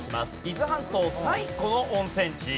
伊豆半島最古の温泉地。